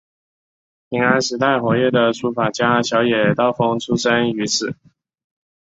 平安时代活跃的书法家小野道风出身于此。